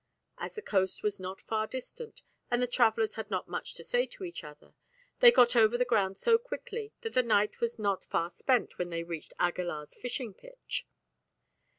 As the coast was not far distant, and the travellers had not much to say to each other, they got over the ground so quickly that the night was not far spent when they reached Aguilar's fishing "pitch."